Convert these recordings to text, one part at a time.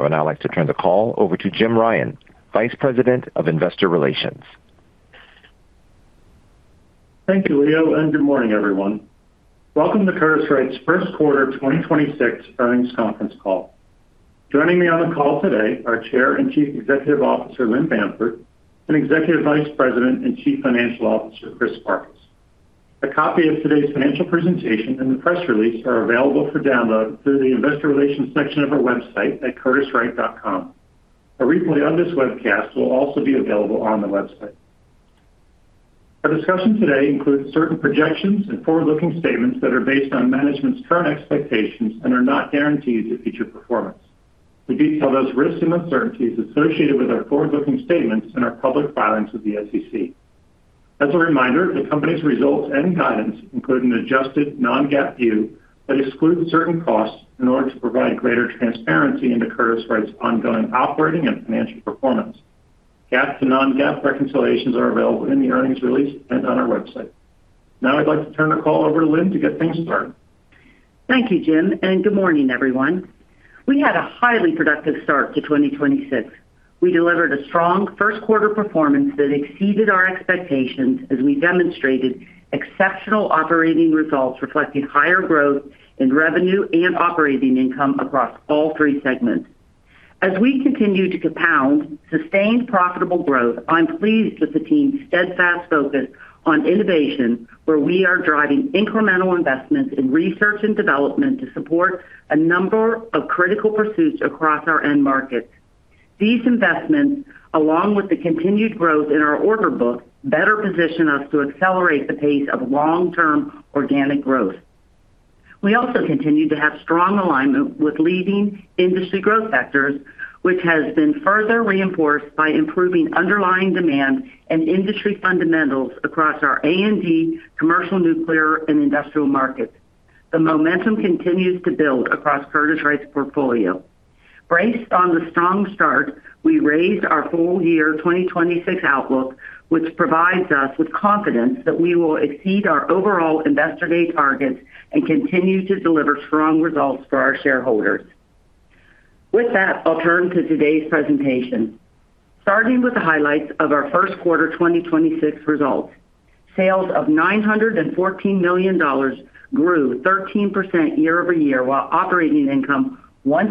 I would now like to turn the call over to Jim Ryan, Vice President of Investor Relations. Thank you, Leo. Good morning, everyone. Welcome to Curtiss-Wright's first quarter 2026 earnings conference call. Joining me on the call today are Chair and Chief Executive Officer, Lynn Bamford, and Executive Vice President and Chief Financial Officer, Chris Farkas. A copy of today's financial presentation and the press release are available for download through the investor relations section of our website at curtisswright.com. A replay of this webcast will also be available on the website. Our discussion today includes certain projections and forward-looking statements that are based on management's current expectations and are not guarantees of future performance. We detail those risks and uncertainties associated with our forward-looking statements in our public filings with the SEC. As a reminder, the company's results and guidance include an adjusted non-GAAP view that excludes certain costs in order to provide greater transparency into Curtiss-Wright's ongoing operating and financial performance. GAAP to non-GAAP reconciliations are available in the earnings release and on our website. I'd like to turn the call over to Lynn to get things started. Thank you, Jim. Good morning, everyone. We had a highly productive start to 2026. We delivered a strong first quarter performance that exceeded our expectations as we demonstrated exceptional operating results reflecting higher growth in revenue and operating income across all three segments. We continue to compound sustained profitable growth, I'm pleased with the team's steadfast focus on innovation, where we are driving incremental investments in research and development to support a number of critical pursuits across our end markets. These investments, along with the continued growth in our order book, better position us to accelerate the pace of long-term organic growth. We also continue to have strong alignment with leading industry growth sectors, which has been further reinforced by improving underlying demand and industry fundamentals across our A&D, commercial nuclear, and industrial markets. The momentum continues to build across Curtiss-Wright's portfolio. Based on the strong start, we raised our full year 2026 outlook, which provides us with confidence that we will exceed our overall Investor Day targets and continue to deliver strong results for our shareholders. With that, I'll turn to today's presentation. Starting with the highlights of our first quarter 2026 results, sales of $914 million grew 13% year-over-year, while operating income once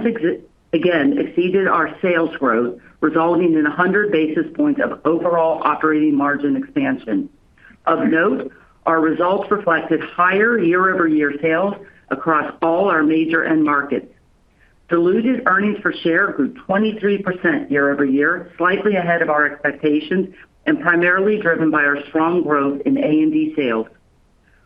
again exceeded our sales growth, resulting in 100 basis points of overall operating margin expansion. Of note, our results reflected higher year-over-year sales across all our major end markets. Diluted earnings per share grew 23% year-over-year, slightly ahead of our expectations and primarily driven by our strong growth in A&D sales.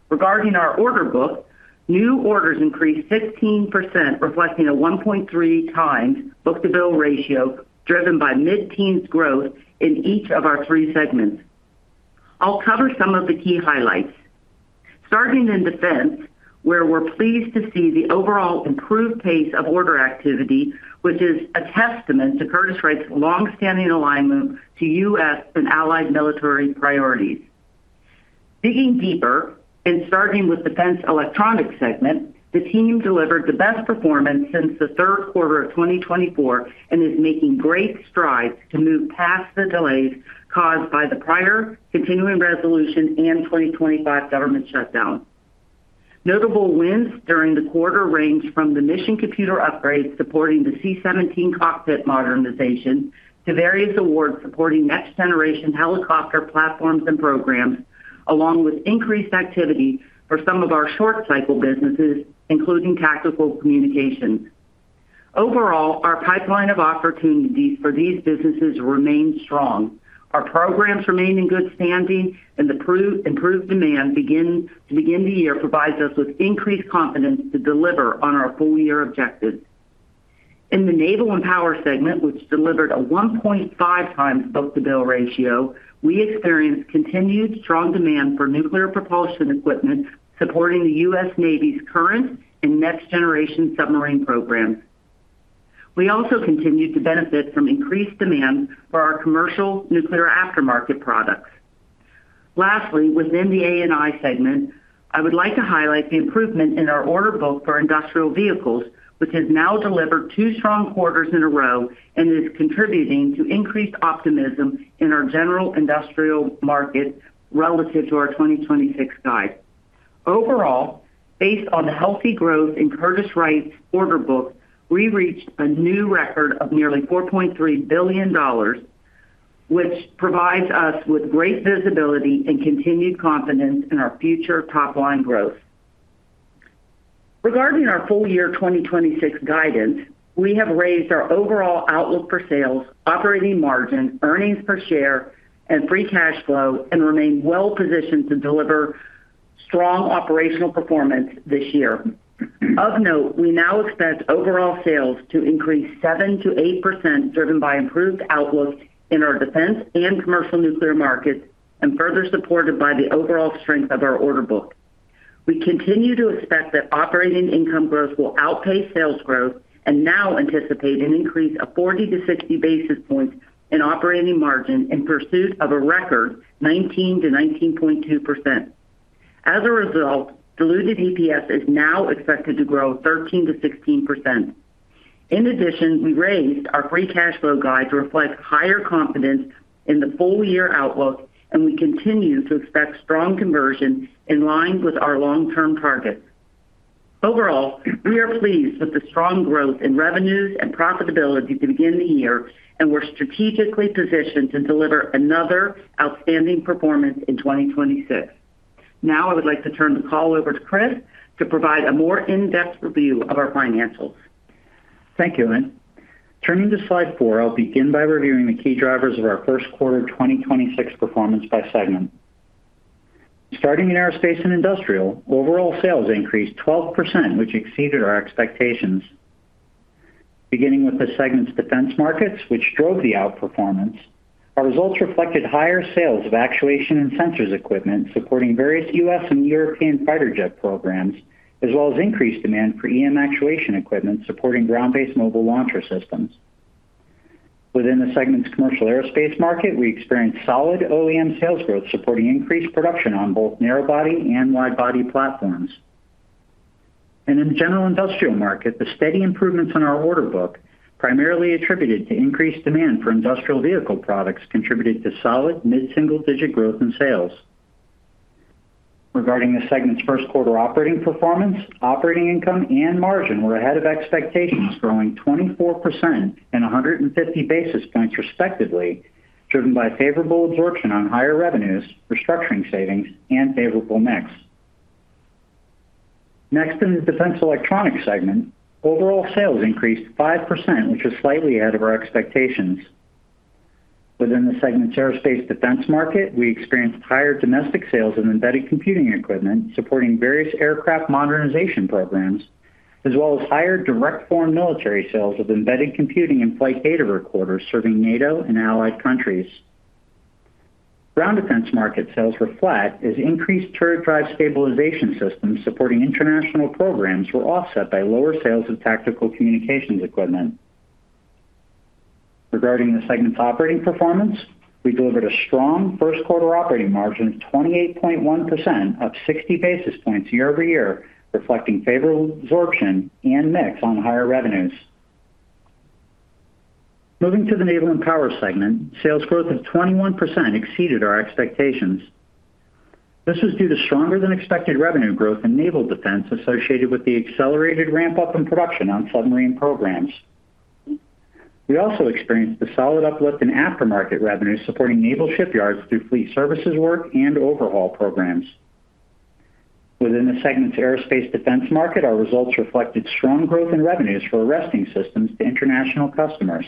Regarding our order book, new orders increased 16%, reflecting a 1.3x book-to-bill ratio driven by mid-teens growth in each of our three segments. I'll cover some of the key highlights. Starting in Defense, where we're pleased to see the overall improved pace of order activity, which is a testament to Curtiss-Wright's long-standing alignment to U.S. and allied military priorities. Digging deeper and starting with Defense Electronics segment, the team delivered the best performance since the third quarter of 2024 and is making great strides to move past the delays caused by the prior continuing resolution and 2025 government shutdown. Notable wins during the quarter range from the mission computer upgrades supporting the C-17 cockpit modernization to various awards supporting next-generation helicopter platforms and programs, along with increased activity for some of our short-cycle businesses, including tactical communications. Overall, our pipeline of opportunities for these businesses remains strong. Our programs remain in good standing, and the improved demand to begin the year provides us with increased confidence to deliver on our full year objectives. In the Naval & Power segment, which delivered a 1.5x book-to-bill ratio, we experienced continued strong demand for nuclear propulsion equipment supporting the U.S. Navy's current and next-generation submarine programs. We also continued to benefit from increased demand for our commercial nuclear aftermarket products. Lastly, within the A&I segment, I would like to highlight the improvement in our order book for industrial vehicles, which has now delivered 2 strong quarters in a row and is contributing to increased optimism in our general industrial market relative to our 2026 guide. Overall, based on the healthy growth in Curtiss-Wright's order book, we reached a new record of nearly $4.3 billion, which provides us with great visibility and continued confidence in our future top-line growth. Regarding our full year 2026 guidance, we have raised our overall outlook for sales, operating margin, earnings per share, and free cash flow, and remain well positioned to deliver strong operational performance this year. Of note, we now expect overall sales to increase 7%-8%, driven by improved outlooks in our defense and commercial nuclear markets, and further supported by the overall strength of our order book. We continue to expect that operating income growth will outpace sales growth and now anticipate an increase of 40 to 60 basis points in operating margin in pursuit of a record 19%-19.2%. As a result, diluted EPS is now expected to grow 13%-16%. In addition, we raised our free cash flow guide to reflect higher confidence in the full year outlook, and we continue to expect strong conversion in line with our long-term targets. Overall, we are pleased with the strong growth in revenues and profitability to begin the year, and we're strategically positioned to deliver another outstanding performance in 2026. Now, I would like to turn the call over to Chris to provide a more in-depth review of our financials. Thank you, Lynn. Turning to slide four, I'll begin by reviewing the key drivers of our 1st quarter 2026 performance by segment. Starting in aerospace and industrial, overall sales increased 12%, which exceeded our expectations. Beginning with the segment's defense markets, which drove the outperformance, our results reflected higher sales of actuation and sensors equipment supporting various U.S. and European fighter jet programs, as well as increased demand for EM actuation equipment supporting ground-based mobile launcher systems. Within the segment's commercial aerospace market, we experienced solid OEM sales growth supporting increased production on both narrow body and wide body platforms. In the general industrial market, the steady improvements in our order book, primarily attributed to increased demand for industrial vehicle products, contributed to solid mid-single-digit growth in sales. Regarding the segment's first quarter operating performance, operating income and margin were ahead of expectations, growing 24% and 150 basis points respectively, driven by favorable absorption on higher revenues, restructuring savings and favorable mix. In the Defense Electronics segment, overall sales increased 5%, which was slightly ahead of our expectations. Within the segment's aerospace defense market, we experienced higher domestic sales of embedded computing equipment supporting various aircraft modernization programs, as well as higher direct foreign military sales of embedded computing and flight data recorders serving NATO and allied countries. Ground defense market sales were flat as increased Turret Drive Stabilization Systems supporting international programs were offset by lower sales of tactical communications equipment. Regarding the segment's operating performance, we delivered a strong first quarter operating margin of 28.1%, up 60 basis points year-over-year, reflecting favorable absorption and mix on higher revenues. Moving to the Naval & Power segment, sales growth of 21% exceeded our expectations. This was due to stronger than expected revenue growth in Naval Defense associated with the accelerated ramp-up in production on submarine programs. We also experienced a solid uplift in aftermarket revenues supporting naval shipyards through fleet services work and overhaul programs. Within the segment's Aerospace Defense market, our results reflected strong growth in revenues for arresting systems to international customers.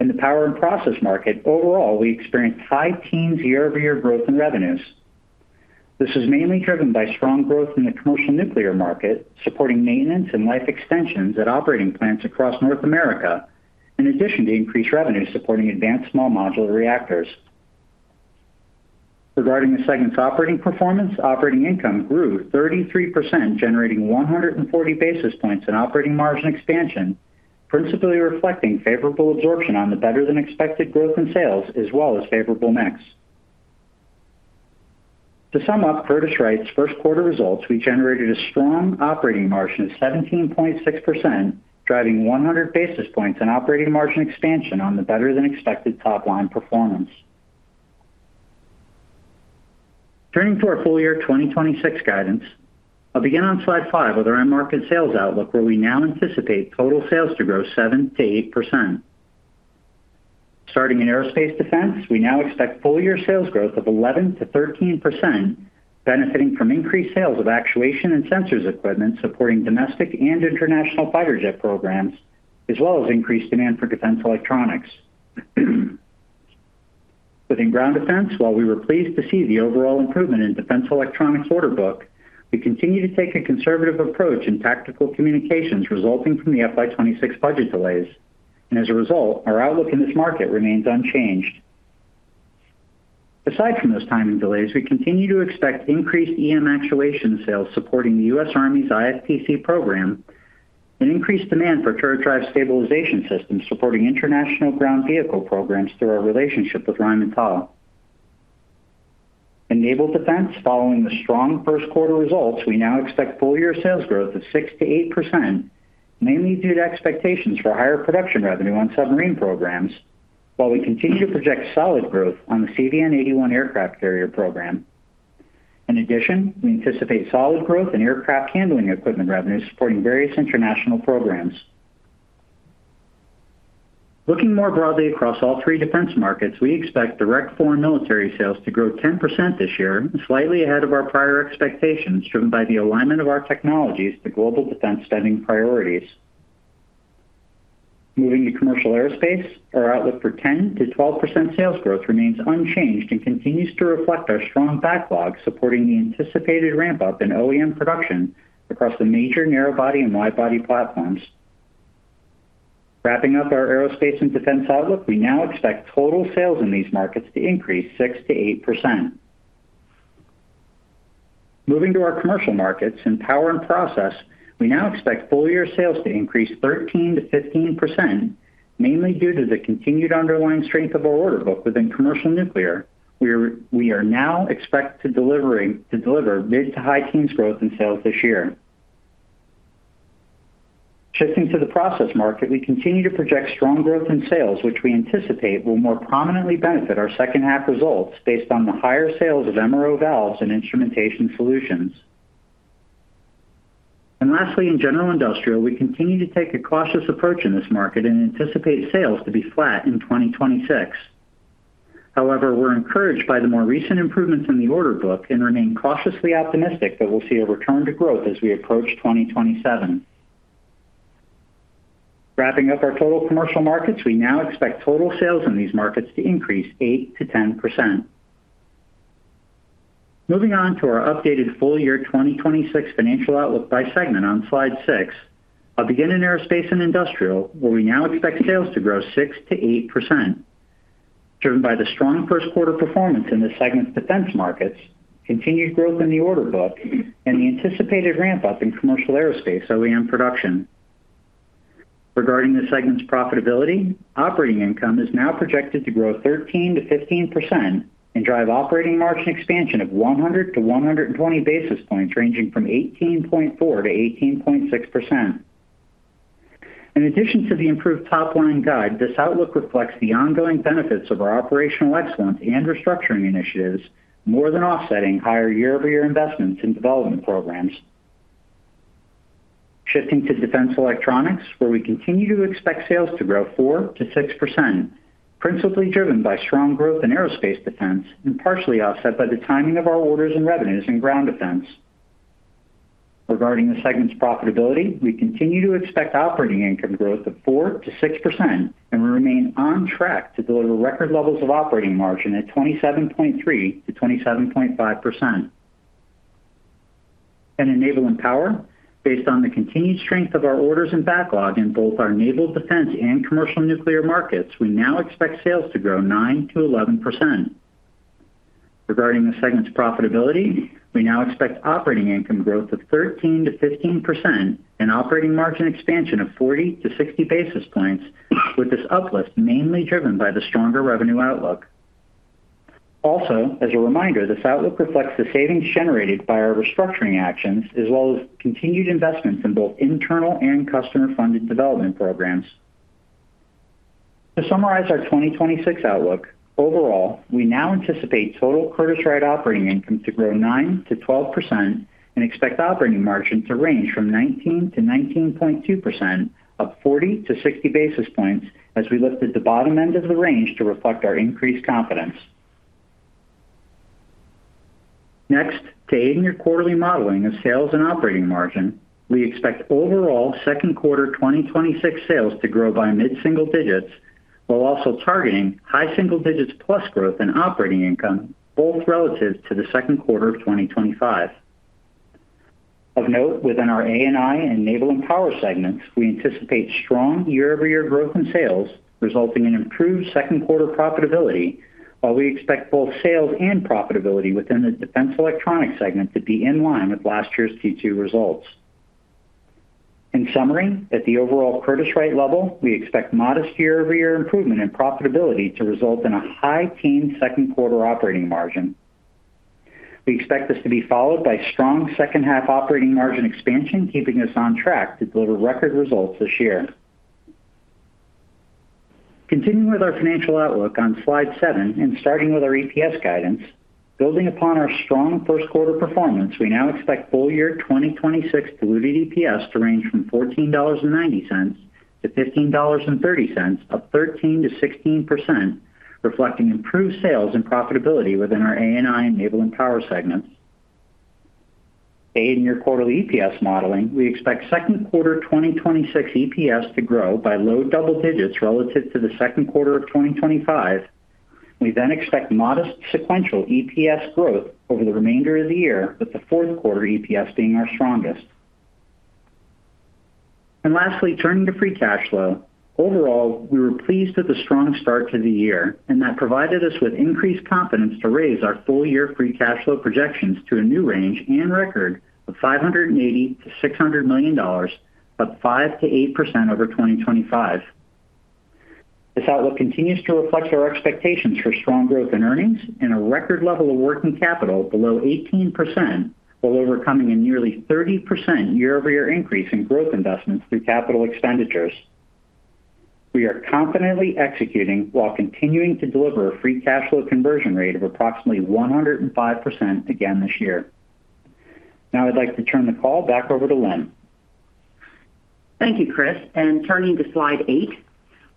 In the Power and Process market, overall, we experienced high teens year-over-year growth in revenues. This was mainly driven by strong growth in the commercial nuclear market, supporting maintenance and life extensions at operating plants across North America, in addition to increased revenues supporting advanced small modular reactors. Regarding the segment's operating performance, operating income grew 33%, generating 140 basis points in operating margin expansion, principally reflecting favorable absorption on the better-than-expected growth in sales as well as favorable mix. To sum up Curtiss-Wright's first quarter results, we generated a strong operating margin of 17.6%, driving 100 basis points in operating margin expansion on the better-than-expected top-line performance. Turning to our full year 2026 guidance, I'll begin on slide five with our end market sales outlook, where we now anticipate total sales to grow 7%-8%. Starting in aerospace defense, we now expect full year sales growth of 11%-13%, benefiting from increased sales of actuation and sensors equipment supporting domestic and international fighter jet programs, as well as increased demand for Defense Electronics. Within ground defense, while we were pleased to see the overall improvement in Defense Electronics order book, we continue to take a conservative approach in tactical communications resulting from the FY 2026 budget delays. As a result, our outlook in this market remains unchanged. Aside from those timing delays, we continue to expect increased EM actuation sales supporting the U.S. Army's IFPC program and increased demand for Turret Drive Stabilization Systems supporting international ground vehicle programs through our relationship with Rheinmetall. In naval defense, following the strong first quarter results, we now expect full year sales growth of 6%-8%, mainly due to expectations for higher production revenue on submarine programs while we continue to project solid growth on the CVN-81 aircraft carrier program. In addition, we anticipate solid growth in aircraft handling equipment revenues supporting various international programs. Looking more broadly across all three defense markets, we expect direct foreign military sales to grow 10% this year, slightly ahead of our prior expectations, driven by the alignment of our technologies to global defense spending priorities. Moving to commercial aerospace, our outlook for 10%-12% sales growth remains unchanged and continues to reflect our strong backlog supporting the anticipated ramp-up in OEM production across the major narrow body and wide body platforms. Wrapping up our aerospace and defense outlook, we now expect total sales in these markets to increase 6%-8%. Moving to our Commercial Markets and Power and Process, we now expect full year sales to increase 13%-15%, mainly due to the continued underlying strength of our order book within Commercial Nuclear. We now expect to deliver mid-to-high teens growth in sales this year. Shifting to the Process Market, we continue to project strong growth in sales, which we anticipate will more prominently benefit our second half results based on the higher sales of MRO valves and instrumentation solutions. Lastly, in General Industrial, we continue to take a cautious approach in this market and anticipate sales to be flat in 2026. We're encouraged by the more recent improvements in the order book and remain cautiously optimistic that we'll see a return to growth as we approach 2027. Wrapping up our total commercial markets, we now expect total sales in these markets to increase 8%-10%. Moving on to our updated full year 2026 financial outlook by segment on slide six. I'll begin in Aerospace and Industrial, where we now expect sales to grow 6%-8%, driven by the strong first quarter performance in the segment's defense markets, continued growth in the order book, and the anticipated ramp up in commercial aerospace OEM production. Regarding the segment's profitability, operating income is now projected to grow 13%-15% and drive operating margin expansion of 100-120 basis points ranging from 18.4%-18.6%. In addition to the improved top-line guide, this outlook reflects the ongoing benefits of our operational excellence and restructuring initiatives more than offsetting higher year-over-year investments in development programs. Shifting to Defense Electronics, where we continue to expect sales to grow 4%-6%, principally driven by strong growth in aerospace defense and partially offset by the timing of our orders and revenues in ground defense. Regarding the segment's profitability, we continue to expect operating income growth of 4%-6%, and we remain on track to deliver record levels of operating margin at 27.3%-27.5%. In Naval & Power, based on the continued strength of our orders and backlog in both our naval defense and commercial nuclear markets, we now expect sales to grow 9%-11%. Regarding the segment's profitability, we now expect operating income growth of 13%-15% and operating margin expansion of 40 to 60 basis points, with this uplift mainly driven by the stronger revenue outlook. As a reminder, this outlook reflects the savings generated by our restructuring actions as well as continued investments in both internal and customer-funded development programs. To summarize our 2026 outlook, overall, we now anticipate total Curtiss-Wright operating income to grow 9%-12% and expect operating margin to range from 19%-19.2%, up 40 to 60 basis points as we lifted the bottom end of the range to reflect our increased confidence. Next, to aid in your quarterly modeling of sales and operating margin, we expect overall second quarter 2026 sales to grow by mid-single digits, while also targeting high single digits plus growth in operating income, both relative to the second quarter of 2025. Of note, within our A&I and Naval & Power segments, we anticipate strong year-over-year growth in sales resulting in improved second quarter profitability, while we expect both sales and profitability within the Defense Electronics segment to be in line with last year's Q2 results. In summary, at the overall Curtiss-Wright level, we expect modest year-over-year improvement in profitability to result in a high teen second quarter operating margin. We expect this to be followed by strong second half operating margin expansion, keeping us on track to deliver record results this year. Continuing with our financial outlook on slide seven and starting with our EPS guidance, building upon our strong first quarter performance, we now expect full year 2026 diluted EPS to range from $14.90-$15.30, up 13%-16%, reflecting improved sales and profitability within our A&I and Naval & Power segments. To aid in your quarterly EPS modeling, we expect second quarter 2026 EPS to grow by low double digits relative to the second quarter of 2025. We then expect modest sequential EPS growth over the remainder of the year, with the fourth quarter EPS being our strongest. Lastly, turning to free cash flow. Overall, we were pleased with the strong start to the year. That provided us with increased confidence to raise our full-year free cash flow projections to a new range and record of $580 million-$600 million, up 5%-8% over 2025. This outlook continues to reflect our expectations for strong growth in earnings and a record level of working capital below 18%, while overcoming a nearly 30% year-over-year increase in growth investments through capital expenditures. We are confidently executing while continuing to deliver a free cash flow conversion rate of approximately 105% again this year. Now I'd like to turn the call back over to Lynn. Thank you, Chris. Turning to slide eight.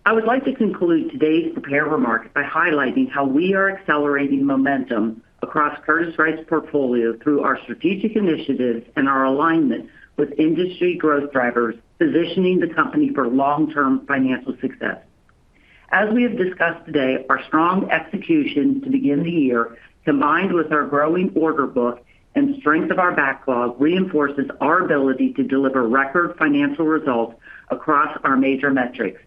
I would like to conclude today's prepared remarks by highlighting how we are accelerating momentum across Curtiss-Wright's portfolio through our strategic initiatives and our alignment with industry growth drivers, positioning the company for long-term financial success. As we have discussed today, our strong execution to begin the year, combined with our growing order book and strength of our backlog, reinforces our ability to deliver record financial results across our major metrics.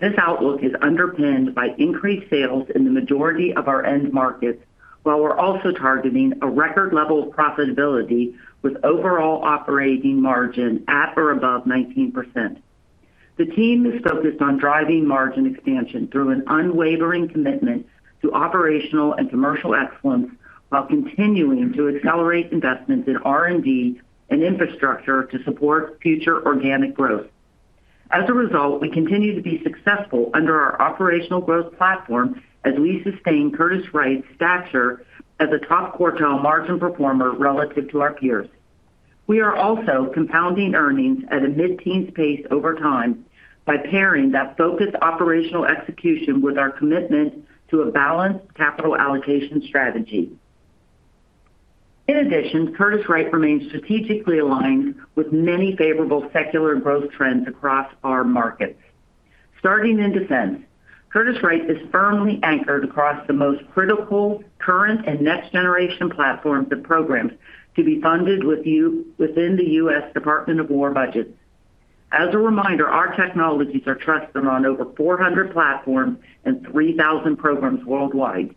This outlook is underpinned by increased sales in the majority of our end markets, while we're also targeting a record level of profitability with overall operating margin at or above 19%. The team is focused on driving margin expansion through an unwavering commitment to operational and commercial excellence while continuing to accelerate investments in R&D and infrastructure to support future organic growth. We continue to be successful under our operational growth platform as we sustain Curtiss-Wright's stature as a top quartile margin performer relative to our peers. We are also compounding earnings at a mid-teens pace over time by pairing that focused operational execution with our commitment to a balanced capital allocation strategy. Curtiss-Wright remains strategically aligned with many favorable secular growth trends across our markets. Starting in defense, Curtiss-Wright is firmly anchored across the most critical current and next-generation platforms and programs to be funded within the U.S. Department of Defense budget. Our technologies are trusted on over 400 platforms and 3,000 programs worldwide.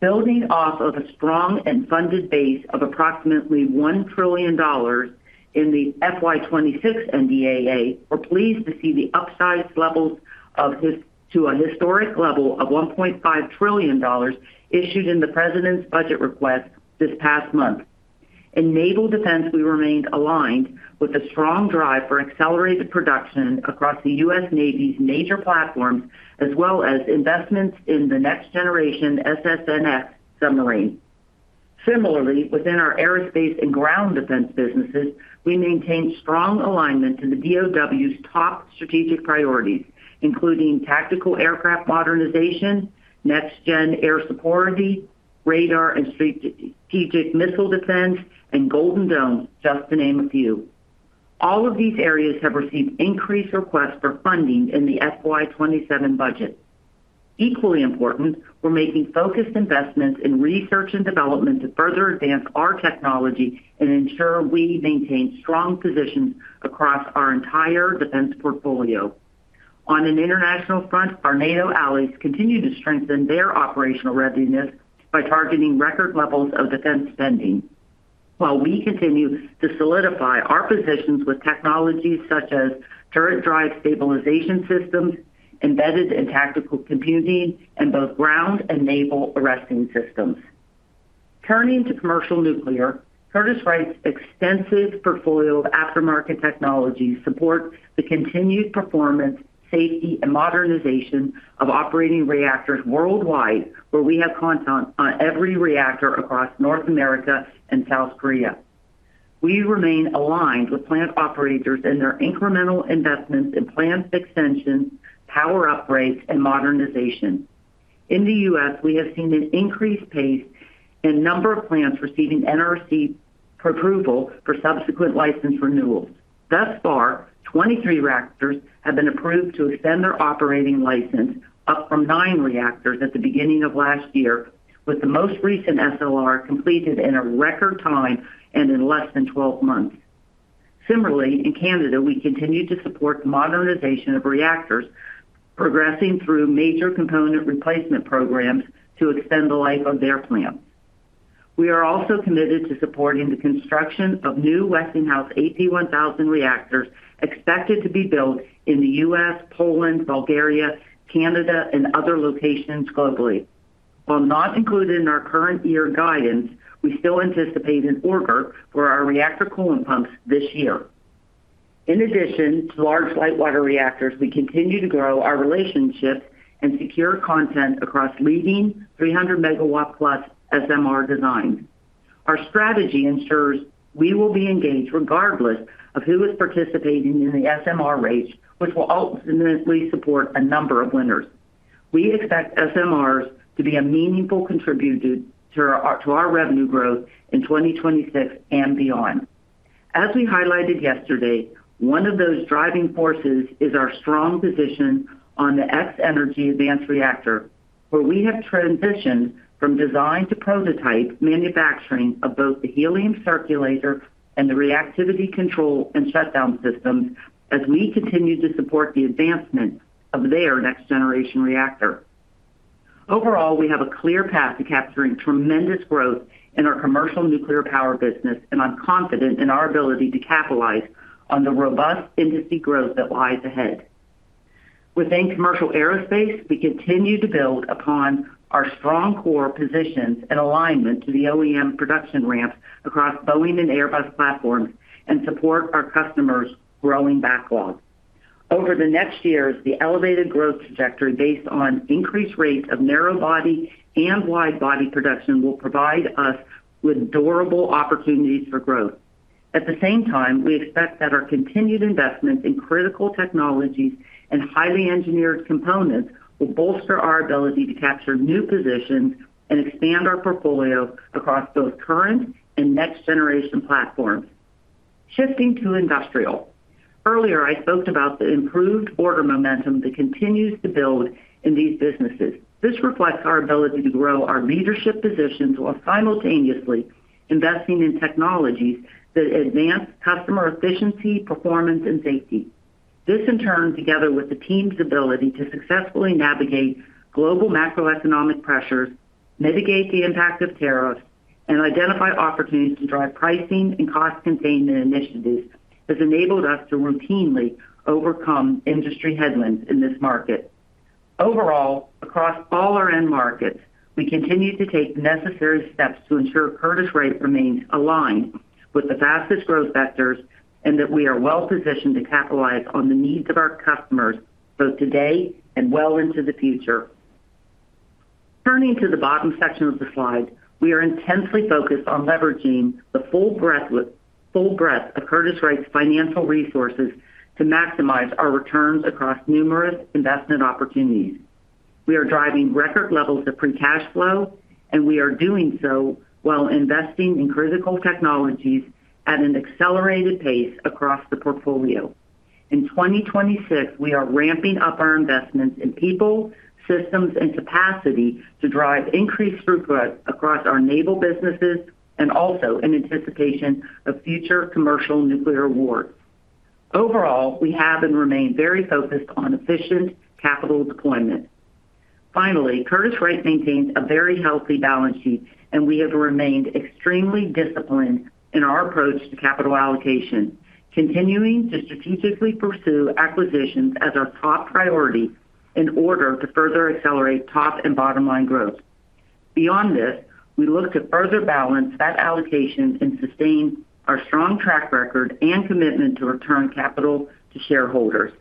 Building off of a strong and funded base of approximately $1 trillion in the FY 2026 NDAA, we're pleased to see the upsized levels to a historic level of $1.5 trillion issued in the President's budget request this past month. In naval defense, we remained aligned with a strong drive for accelerated production across the U.S. Navy's major platforms as well as investments in the next-generation SSN(X) submarine. Similarly, within our aerospace and ground defense businesses, we maintain strong alignment to the DoD's top strategic priorities, including tactical aircraft modernization, next-gen air superiority, radar and strategic missile defense, and Golden Dome, just to name a few. All of these areas have received increased requests for funding in the FY 2027 budget. Equally important, we are making focused investments in R&D to further advance our technology and ensure we maintain strong positions across our entire defense portfolio. Our NATO allies continue to strengthen their operational readiness by targeting record levels of defense spending. We continue to solidify our positions with technologies such as Turret Drive Stabilization System, embedded computing and tactical communications, and both ground and naval arresting systems. Turning to commercial nuclear, Curtiss-Wright's extensive portfolio of aftermarket technologies support the continued performance, safety and modernization of operating reactors worldwide, where we have content on every reactor across North America and South Korea. We remain aligned with plant operators in their incremental investments in plant extensions, power upgrades, and modernization. In the U.S., we have seen an increased pace in number of plants receiving NRC approval for subsequent license renewals. Thus far, 23 reactors have been approved to extend their operating license, up from nine reactors at the beginning of last year, with the most recent SLR completed in a record time and in less than 12 months. Similarly, in Canada, we continue to support modernization of reactors progressing through major component replacement programs to extend the life of their plant. We are also committed to supporting the construction of new Westinghouse AP1000 reactors expected to be built in the U.S., Poland, Bulgaria, Canada, and other locations globally. While not included in our current year guidance, we still anticipate an order for our reactor coolant pumps this year. In addition to large light water reactors, we continue to grow our relationships and secure content across leading 300 MW+ SMR designs. Our strategy ensures we will be engaged regardless of who is participating in the SMR race, which will ultimately support a number of winners. We expect SMRs to be a meaningful contributor to our revenue growth in 2026 and beyond. As we highlighted yesterday, one of those driving forces is our strong position on the X-energy advanced reactor, where we have transitioned from design to prototype manufacturing of both the Helium Circulator and the Reactivity Control and Shutdown Systems as we continue to support the advancement of their next-generation reactor. Overall, we have a clear path to capturing tremendous growth in our commercial nuclear power business, and I'm confident in our ability to capitalize on the robust industry growth that lies ahead. Within commercial aerospace, we continue to build upon our strong core positions and alignment to the OEM production ramps across Boeing and Airbus platforms and support our customers' growing backlogs. Over the next years, the elevated growth trajectory based on increased rates of narrow body and wide body production will provide us with durable opportunities for growth. At the same time, we expect that our continued investments in critical technologies and highly engineered components will bolster our ability to capture new positions and expand our portfolio across both current and next-generation platforms. Shifting to industrial. Earlier, I spoke about the improved order momentum that continues to build in these businesses. This reflects our ability to grow our leadership positions while simultaneously investing in technologies that advance customer efficiency, performance, and safety. This in turn, together with the team's ability to successfully navigate global macroeconomic pressures, mitigate the impact of tariffs, and identify opportunities to drive pricing and cost containment initiatives, has enabled us to routinely overcome industry headwinds in this market. Overall, across all our end markets, we continue to take necessary steps to ensure Curtiss-Wright remains aligned with the fastest growth vectors and that we are well-positioned to capitalize on the needs of our customers, both today and well into the future. Turning to the bottom section of the slide, we are intensely focused on leveraging the full breadth of Curtiss-Wright's financial resources to maximize our returns across numerous investment opportunities. We are driving record levels of free cash flow, and we are doing so while investing in critical technologies at an accelerated pace across the portfolio. In 2026, we are ramping up our investments in people, systems, and capacity to drive increased throughput across our naval businesses and also in anticipation of future commercial nuclear awards. Overall, we have and remain very focused on efficient capital deployment. Finally, Curtiss-Wright maintains a very healthy balance sheet, and we have remained extremely disciplined in our approach to capital allocation, continuing to strategically pursue acquisitions as our top priority in order to further accelerate top and bottom line growth. Beyond this, we look to further balance that allocation and sustain our strong track record and commitment to return capital to shareholders.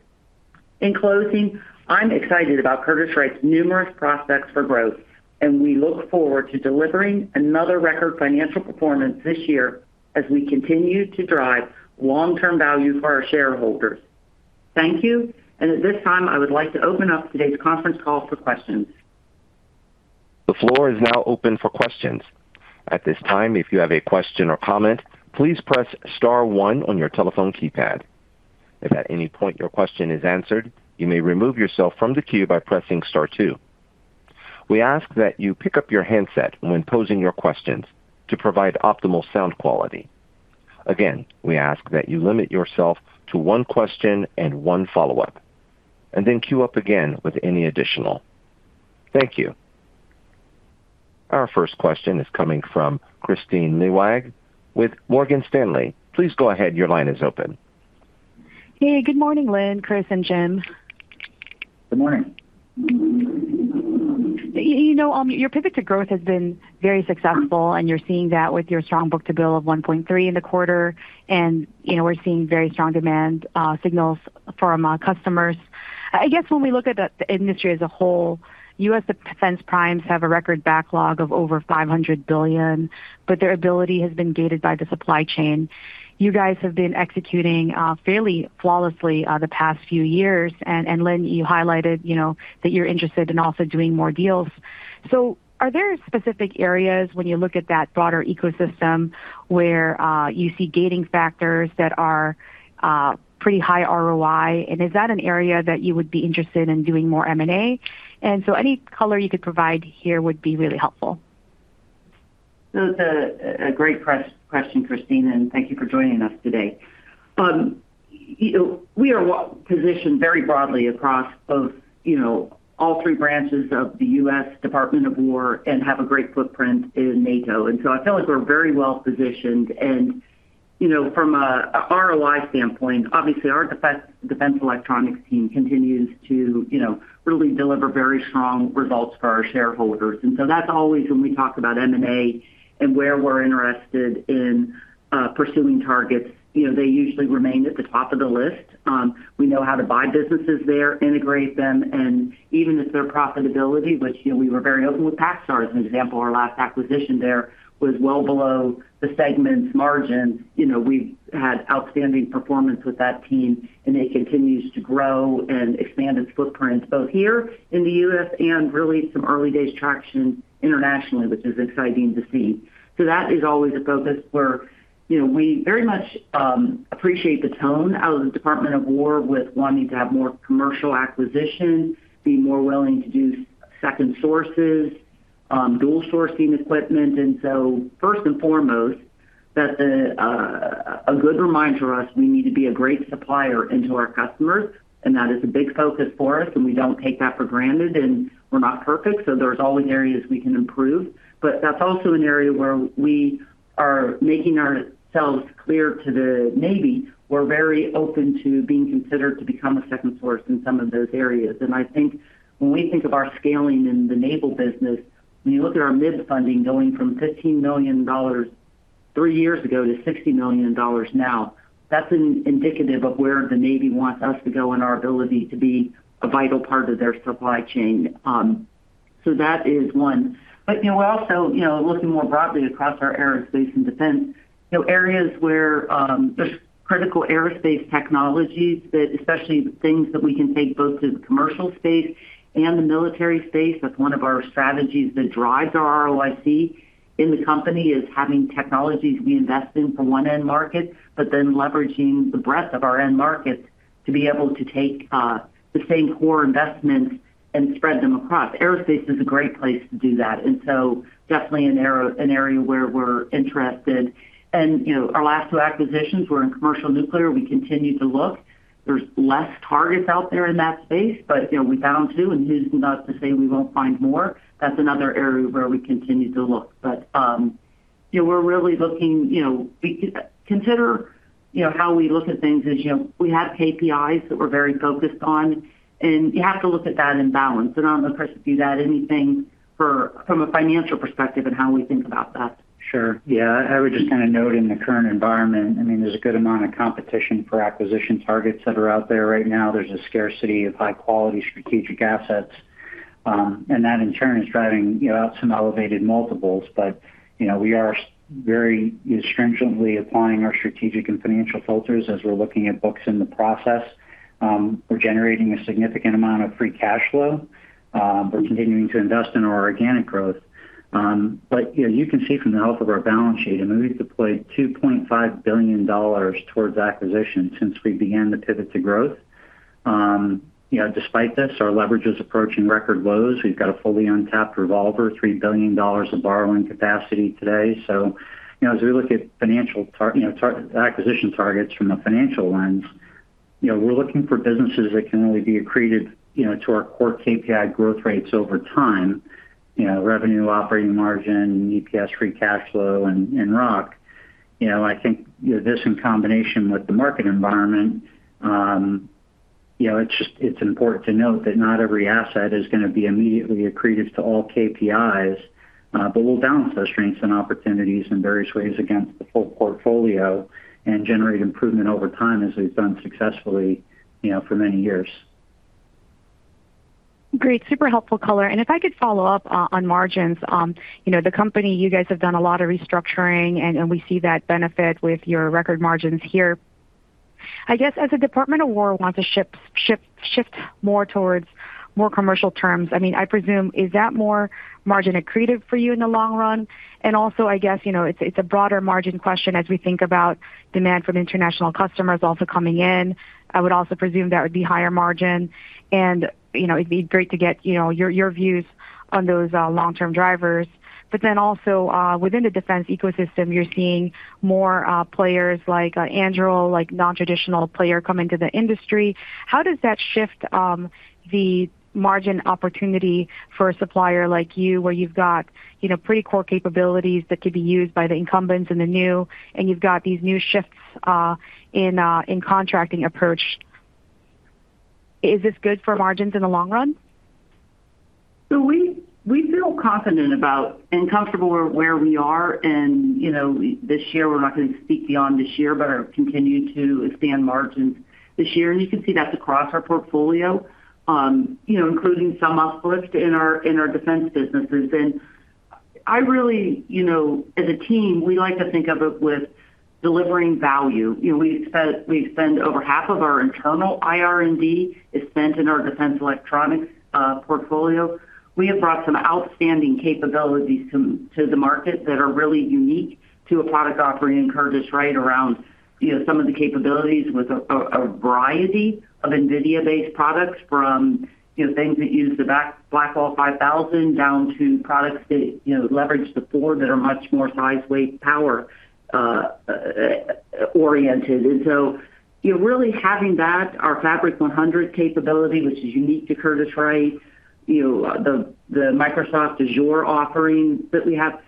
In closing, I'm excited about Curtiss-Wright's numerous prospects for growth, and we look forward to delivering another record financial performance this year as we continue to drive long-term value for our shareholders. Thank you. At this time, I would like to open up today's conference call for questions. The floor is now open for questions at this time if you have question please press star one on your telephone keypad if your question is answered you may remove yourself from the queue by pressing star two. We ask that you pick up your handset when posing your questions to provide optimal sound quality. Again, we ask that you limit yourself to one question and one follow-up, and then queue up again with any additional. Thank you. Our first question is coming from Kristine Liwag with Morgan Stanley. Please go ahead. Your line is open. Hey, good morning, Lynn, Chris, and Jim. Good morning. You know, your pivot to growth has been very successful, you're seeing that with your strong book-to-bill of 1.3x in the quarter. You know, we're seeing very strong demand signals from customers. I guess when we look at the industry as a whole, U.S. defense primes have a record backlog of over $500 billion, their ability has been gated by the supply chain. You guys have been executing fairly flawlessly the past few years. Lynn, you highlighted, you know, that you're interested in also doing more deals. Are there specific areas when you look at that broader ecosystem where you see gating factors that are pretty high ROI? Is that an area that you would be interested in doing more M&A? Any color you could provide here would be really helpful. That's a great question, Kristine Liwag, and thank you for joining us today. You know, we are well positioned very broadly across both, you know, all three branches of the U.S. Department of Defense and have a great footprint in NATO. I feel like we're very well-positioned. You know, from a ROI standpoint, obviously, our Defense Electronics team continues to, you know, really deliver very strong results for our shareholders. That's always when we talk about M&A and where we're interested in pursuing targets. You know, they usually remain at the top of the list. We know how to buy businesses there, integrate them. Even if their profitability, which, you know, we were very open with PacStar as an example, our last acquisition there, was well below the segment's margins. You know, we've had outstanding performance with that team, and it continues to grow and expand its footprint, both here in the U.S. and really some early days traction internationally, which is exciting to see. That is always a focus where, you know, we very much appreciate the tone out of the Department of Defense with wanting to have more commercial acquisition, be more willing to do second sources, dual sourcing equipment. First and foremost, that's a good reminder us we need to be a great supplier into our customers, and that is a big focus for us, and we don't take that for granted. We're not perfect, so there's always areas we can improve. That's also an area where we are making ourselves clear to the Navy. We're very open to being considered to become a second source in some of those areas. When we think of our scaling in the naval business, when you look at our MIB funding going from $15 million three years ago to $60 million now, that's indicative of where the Navy wants us to go and our ability to be a vital part of their supply chain. That is one. We're also looking more broadly across our aerospace and defense areas where there's critical aerospace technologies that, especially the things that we can take both to the commercial space and the military space. That's one of our strategies that drives our ROIC in the company, is having technologies we invest in for one end market, but then leveraging the breadth of our end markets to be able to take the same core investments and spread them across. Aerospace is a great place to do that, definitely an area where we're interested. You know, our last two acquisitions were in commercial nuclear. We continue to look. There's less targets out there in that space, you know, we found two, who's not to say we won't find more? That's another area where we continue to look. You know, we're really looking, you know We consider, you know, how we look at things as, you know, we have KPIs that we're very focused on, you have to look at that in balance. I don't know, Chris, if you'd add anything from a financial perspective in how we think about that. Sure. Yeah. I would just kind of note in the current environment, I mean, there's a good amount of competition for acquisition targets that are out there right now. There's a scarcity of high-quality strategic assets, and that in turn is driving, you know, out some elevated multiples. You know, we are very stringently applying our strategic and financial filters as we're looking at books in the process. We're generating a significant amount of free cash flow. We're continuing to invest in our organic growth. You know, you can see from the health of our balance sheet, I mean, we've deployed $2.5 billion towards acquisitions since we began the pivot to growth. You know, despite this, our leverage is approaching record lows. We've got a fully untapped revolver, $3 billion of borrowing capacity today. you know, as we look at financial acquisition targets from a financial lens, you know, we're looking for businesses that can really be accretive, you know, to our core KPI growth rates over time. You know, revenue, operating margin, EPS, free cash flow, and ROIC. You know, I think, you know, this in combination with the market environment, you know, it's important to note that not every asset is gonna be immediately accretive to all KPIs. We'll balance those strengths and opportunities in various ways against the full portfolio and generate improvement over time, as we've done successfully, you know, for many years. Great. Super helpful color. If I could follow up on margins. You know, the company, you guys have done a lot of restructuring, and we see that benefit with your record margins here. I guess, as the Department of Defense wants to shift more towards more commercial terms, I mean, I presume, is that more margin accretive for you in the long run? Also, I guess, you know, it's a broader margin question as we think about demand from international customers also coming in. I would also presume that would be higher margin. You know, it'd be great to get, you know, your views on those long-term drivers. Also, within the defense ecosystem, you're seeing more players like Anduril, like non-traditional player come into the industry. How does that shift, the margin opportunity for a supplier like you, where you've got, you know, pretty core capabilities that could be used by the incumbents and the new, and you've got these new shifts, in contracting approach. Is this good for margins in the long run? We feel confident about and comfortable where we are. You know, this year, we're not gonna speak beyond this year, but are continued to expand margins this year. You can see that's across our portfolio, you know, including some uplift in our Defense businesses. I really, you know, as a team, we like to think of it with delivering value. You know, we spend over half of our internal IR&D is spent in our Defense Electronics portfolio. We have brought some outstanding capabilities to the market that are really unique to a product offering in Curtiss-Wright around, you know, some of the capabilities with a variety of NVIDIA-based products from, you know, things that use the Blackwell 5000 down to products that, you know, leverage the four that are much more size, weight, power oriented. You know, really having that, our Fabric100 capability, which is unique to Curtiss-Wright, you know, the Microsoft Azure offering that we have.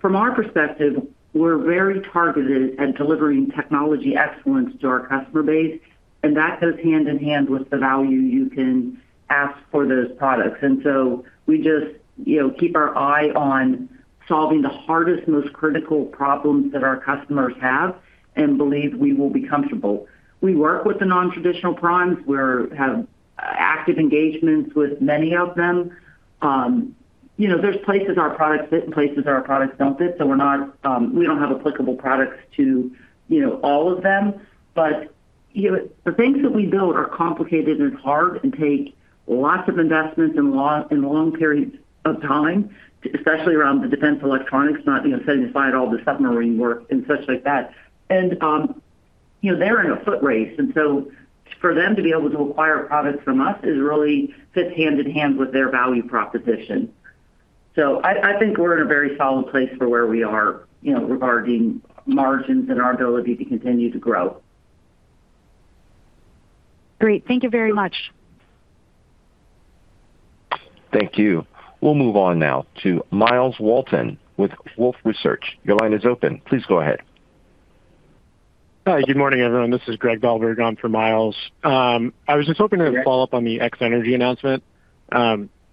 From our perspective, we're very targeted at delivering technology excellence to our customer base, and that goes hand in hand with the value you can ask for those products. We just, you know, keep our eye on solving the hardest, most critical problems that our customers have and believe we will be comfortable. We work with the non-traditional primes. We have active engagements with many of them. You know, there's places our products fit and places our products don't fit, so we're not, we don't have applicable products to, you know, all of them. You know, the things that we build are complicated and hard and take lots of investments and long periods of time, especially around the Defense Electronics, not, you know, setting aside all the submarine work and such like that. You know, they're in a foot race, for them to be able to acquire products from us is really, fits hand in hand with their value proposition. I think we're in a very solid place for where we are, you know, regarding margins and our ability to continue to grow. Great. Thank you very much. Thank you. We'll move on now to Myles Walton with Wolfe Research. Your line is open. Please go ahead. Hi, good morning, everyone. This is Greg Badishkanian on for Myles. I was just hoping to follow up on the X-energy announcement.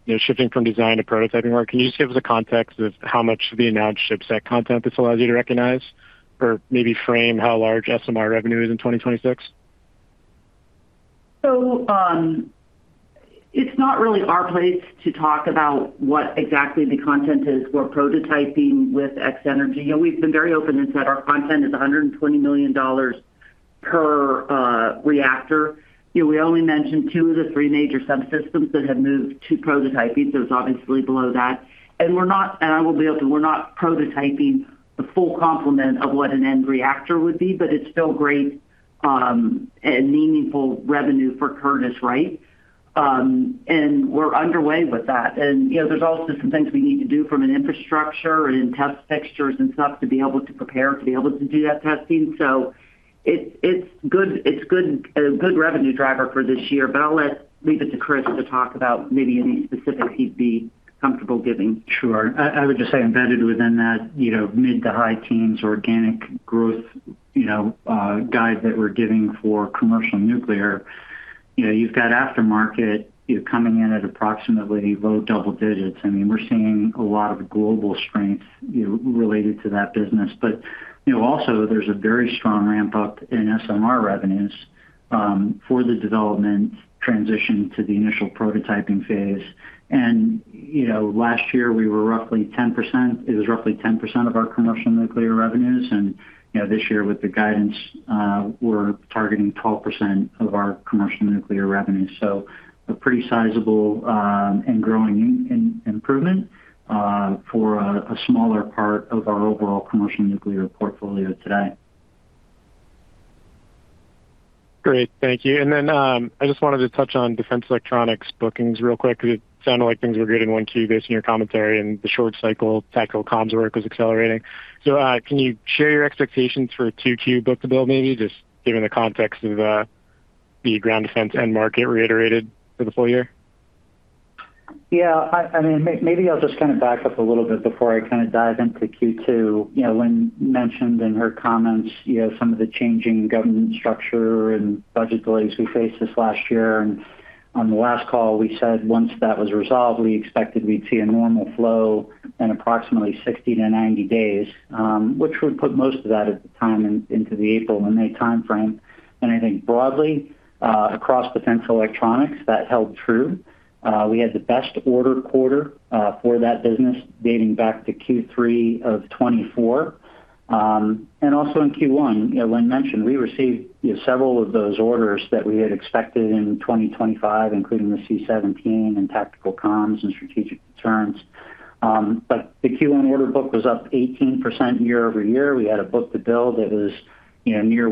You know, shifting from design to prototyping work, can you just give us a context of how much of the announced ship set content this allows you to recognize? Maybe frame how large SMR revenue is in 2026? It's not really our place to talk about what exactly the content is we're prototyping with X-energy. You know, we've been very open and said our content is $120 million per reactor. You know, we only mentioned two of the three major subsystems that have moved to prototyping, so it's obviously below that. We're not, and I will be open, we're not prototyping the full complement of what an end reactor would be, but it's still great and meaningful revenue for Curtiss-Wright. We're underway with that. You know, there's also some things we need to do from an infrastructure and test fixtures and stuff to be able to prepare to be able to do that testing. It's good, a good revenue driver for this year. Leave it to Chris to talk about maybe any specifics he'd be comfortable giving. Sure. I would just say embedded within that, you know, mid-to-high teens organic growth, you know, guide that we're giving for commercial nuclear. You know, you've got aftermarket, you're coming in at approximately low double digits. I mean, we're seeing a lot of global strength, you know, related to that business. You know, also there's a very strong ramp up in SMR revenues for the development transition to the initial prototyping phase. You know, last year it was roughly 10% of our commercial nuclear revenues. You know, this year with the guidance, we're targeting 12% of our commercial nuclear revenue. A pretty sizable, and growing improvement for a smaller part of our overall commercial nuclear portfolio today. Great. Thank you. I just wanted to touch on Defense Electronics bookings real quick. It sounded like things were good in 1Q based on your commentary, and the short cycle tactical comms work was accelerating. Can you share your expectations for 2Q book-to-bill, maybe, just given the context of the ground defense end market reiterated for the full year? Yeah, I mean, maybe I'll just kind of back up a little bit before I kind of dive into Q2. You know, Lynn mentioned in her comments, you know, some of the changing government structure and budget delays we faced this last year. On the last call, we said once that was resolved, we expected we'd see a normal flow in approximately 60 to 90 days, which would put most of that at the time into the April and May timeframe. I think broadly, across Defense Electronics, that held true. We had the best order quarter for that business dating back to Q3 of 2024. Also in Q1, you know, Lynn mentioned we received, you know, several of those orders that we had expected in 2025, including the C-17 and tactical comms and strategic deterrence. The Q1 order book was up 18% year-over-year. We had a book-to-bill that was, you know, near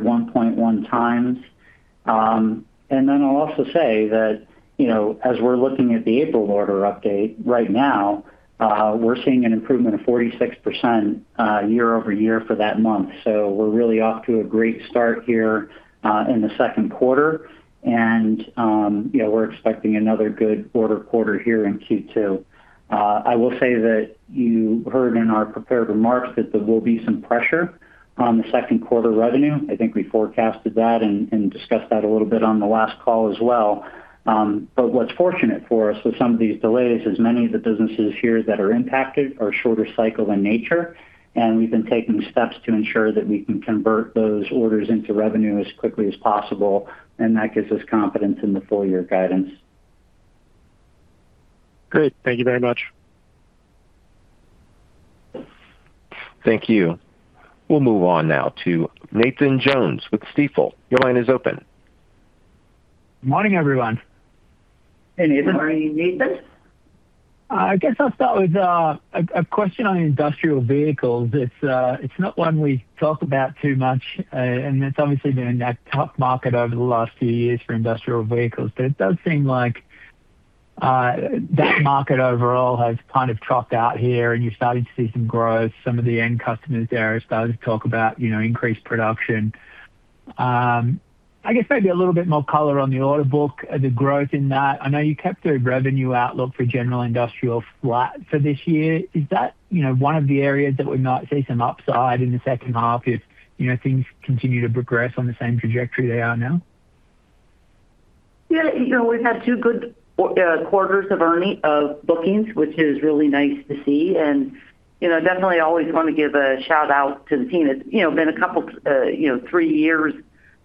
1.1x. I'll also say that, you know, as we're looking at the April order update right now, we're seeing an improvement of 46% year-over-year for that month. We're really off to a great start here in the second quarter. You know, we're expecting another good order quarter here in Q2. I will say that you heard in our prepared remarks that there will be some pressure on the second quarter revenue. I think we forecasted that and discussed that a little bit on the last call as well. What's fortunate for us with some of these delays is many of the businesses here that are impacted are shorter cycle in nature, and we've been taking steps to ensure that we can convert those orders into revenue as quickly as possible, and that gives us confidence in the full year guidance. Great. Thank you very much. Thank you. We'll move on now to Nathan Jones with Stifel. Your line is open. Morning, everyone. Hey, Nathan. Morning, Nathan. I guess I'll start with a question on industrial vehicles. It's not one we talk about too much. It's obviously been a tough market over the last few years for industrial vehicles. It does seem like that market overall has kind of topped out here and you're starting to see some growth. Some of the end customers there are starting to talk about, you know, increased production. I guess maybe a little bit more color on the order book, the growth in that. I know you kept the revenue outlook for general industrial flat for this year. Is that, you know, one of the areas that we might see some upside in the second half if, you know, things continue to progress on the same trajectory they are now? Yeah. You know, we've had two good quarters of bookings, which is really nice to see. You know, definitely always want to give a shout-out to the team. It's, you know, been a couple, you know, three years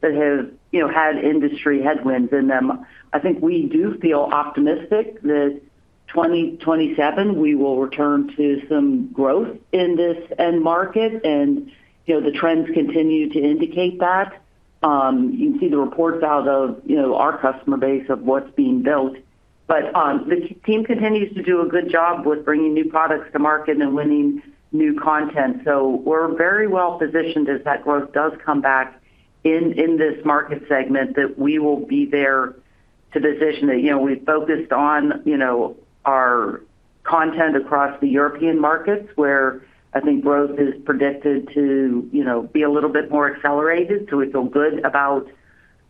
that have, you know, had industry headwinds in them. I think we do feel optimistic that 2027 we will return to some growth in this end market. You know, the trends continue to indicate that. You can see the reports out of, you know, our customer base of what's being built. The team continues to do a good job with bringing new products to market and winning new content. We're very well positioned as that growth does come back in this market segment that we will be there to position it. You know, we've focused on, you know, our content across the European markets where I think growth is predicted to, you know, be a little bit more accelerated, so we feel good about